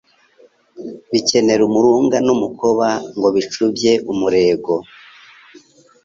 bikenera umurunga n’umukoba ngo bicubye umurego